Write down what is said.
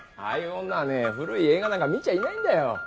ああいう女はね古い映画なんか見ちゃいないんだよ。